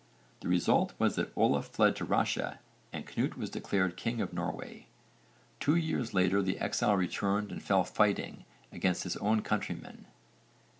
The result was that Olaf fled to Russia and Cnut was declared king of Norway. Two years later the exile returned and fell fighting against his own countrymen.